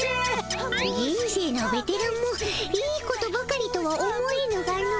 じ人生のベテランもいいことばかりとは思えぬがの。